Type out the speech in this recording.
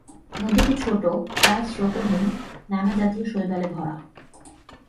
নদীটি ছোটো, প্রায় স্রোতহীন, নানাজাতীয় শৈবালে ভরা।